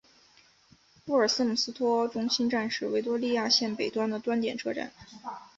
沃尔瑟姆斯托中心站是维多利亚线北端的端点车站。